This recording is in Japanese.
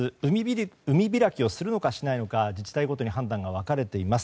海開きをするのか、しないのか自治体ごとに判断が分かれています。